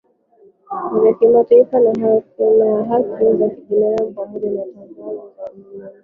vya kimataifa vya haki za kibinadamu pamoja na Tangazo la Ulimwenguni